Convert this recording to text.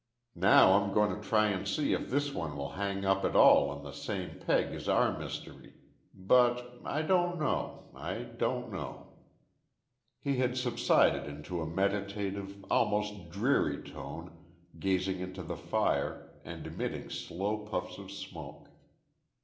Now I'm going to try and see if this one will hang up at all on the same peg as our mystery, but I don't know, I don't know." He had subsided into a meditative, almost dreamy tone, gazing into the fire, and emitting slow puffs of smoke.